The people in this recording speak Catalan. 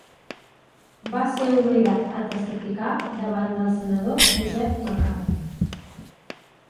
Va ser obligat a testificar davant del senador Joseph McCarthy.